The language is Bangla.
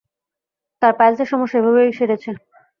তার পাইলসের সমস্যা এভাবেই সেড়েছে।